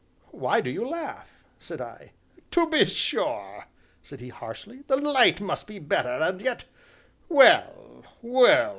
"Why do you laugh?" said I. "To be sure," said he harshly, "the light might be better, and yet well! well!